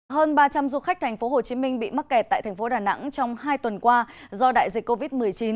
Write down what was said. hơn ba trăm linh du khách thành phố hồ chí minh bị mắc kẹt tại thành phố đà nẵng trong hai tuần qua do đại dịch covid một mươi chín